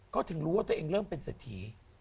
ก็ถึงรู้ว่าเธอเองเริ่มเป็นสถี